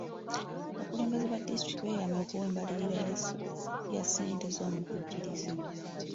Abakulembeze ba disitulikiti beeyamye okuwa embalirira ya ssente z'omuvujjirizi.